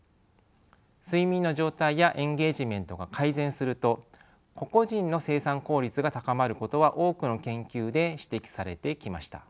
睡眠の状態やエンゲージメントが改善すると個々人の生産効率が高まることは多くの研究で指摘されてきました。